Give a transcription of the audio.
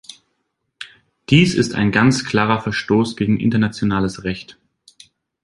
Dies ist ein ganz klarer Verstoß gegen internationales Recht.